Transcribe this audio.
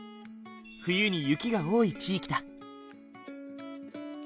冬に雪が多い地域だ。